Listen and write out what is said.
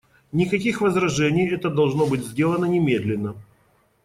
Никаких возражений, это должно быть сделано немедленно.